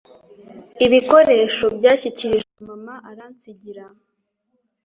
Ibikoresho - byashyikirijwe mama aransigira.